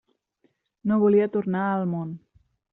No volia tornar al món.